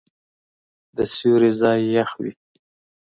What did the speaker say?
د سیوري ځای یخ وي.